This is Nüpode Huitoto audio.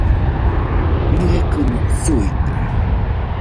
¿Nɨekɨno suite?